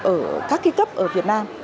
ở các ký cấp ở việt nam